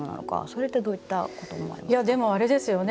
それって、どういったことに思われますか。